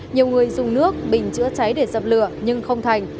nhiều người dùng nước bình chữa cháy để dập lửa nhưng không thành